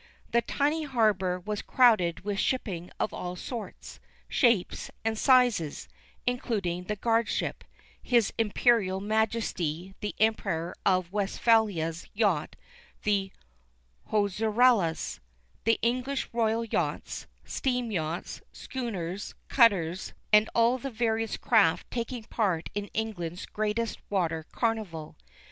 The tiny harbor was crowded with shipping of all sorts, shapes, and sizes, including the guardship, his Imperial Majesty the Emperor of Westphalia's yacht the Hohenzrallas, the English Royal yachts, steam yachts, schooners, cutters, and all the various craft taking part in England's greatest water carnival.